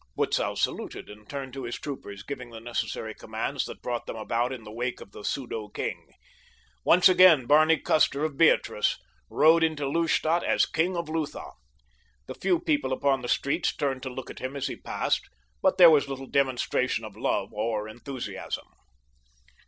Butzow saluted and turned to his troopers, giving the necessary commands that brought them about in the wake of the pseudo king. Once again Barney Custer, of Beatrice, rode into Lustadt as king of Lutha. The few people upon the streets turned to look at him as he passed, but there was little demonstration of love or enthusiasm.